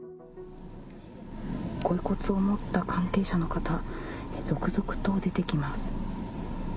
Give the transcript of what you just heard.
ご遺骨を持った関係者の方、続々と出てきます。